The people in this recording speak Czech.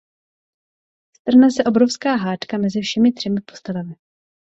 Strhne se obrovská hádka mezi všemi třemi postavami.